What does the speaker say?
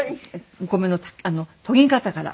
お米の研ぎ方から。